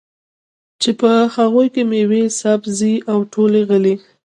چې په هغو کې مېوې، سبزۍ او ټولې غلې